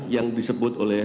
yang disebut oleh